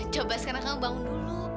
coba sekarang kan bangun dulu